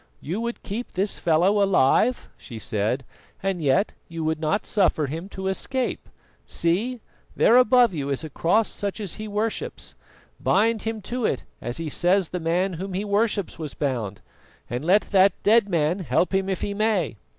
"You would keep this fellow alive?" she said, "and yet you would not suffer him to escape. See, there above you is a cross such as he worships. Bind him to it as he says the Man whom he worships was bound, and let that dead Man help him if he may."